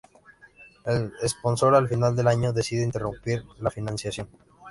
El sponsor al final del año decide interrumpir la financiación.